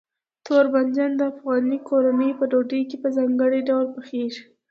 تور بانجان د افغاني کورنیو په ډوډۍ کې په ځانګړي ډول پخېږي.